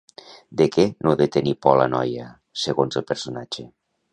De què no ha de tenir por la noia, segons el personatge?